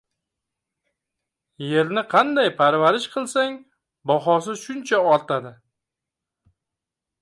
• Yerni qanday parvarish qilsang, bahosi shuncha ortadi.